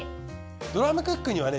ドラムクックにはね